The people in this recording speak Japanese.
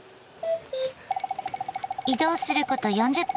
移動すること４０分。